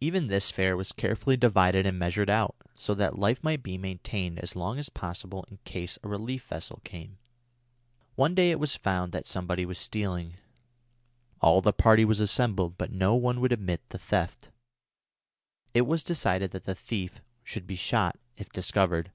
Even this fare was carefully divided and measured out, so that life might be maintained as long as possible in case a relief vessel came. One day it was found that somebody was stealing. All the party was assembled, but no one would admit the theft. It was decided that the thief should be shot if discovered.